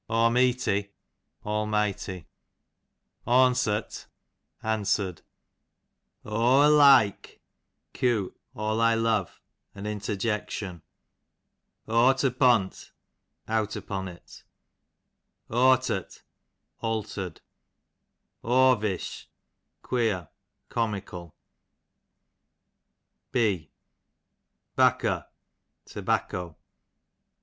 Awmeety, Almighty. Awnsert, answered. Aw o'like, q. all I love, an inter jection. Awto'pont, out upon it. Awtert, altered. Awvish, queer, comical. B Baooo, tobacco.